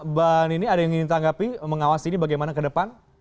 mbak nini ada yang ingin ditanggapi mengawasi ini bagaimana ke depan